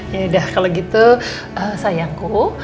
yaudah kalau gitu sayangku